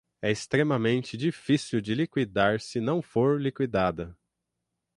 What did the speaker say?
é extremamente difícil de liquidar se não for liquidada